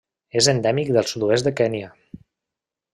És endèmic del sud-oest de Kenya.